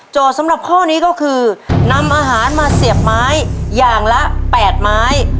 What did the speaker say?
สำหรับข้อนี้ก็คือนำอาหารมาเสียบไม้อย่างละ๘ไม้